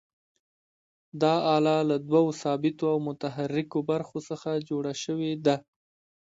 دا آله له دوو ثابتو او متحرکو برخو څخه جوړه شوې ده.